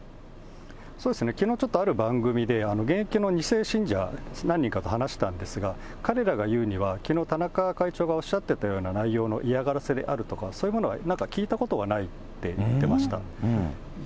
きのうちょっとある番組で、現役の２世信者何人かと話したんですが、彼らが言うには、きのう、田中会長がおっしゃってたような内容の嫌がらせであるとか、そういうものは聞いたことがないと言ってました。